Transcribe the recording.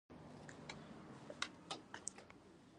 دسیسه ډېره ژر کشف شوه.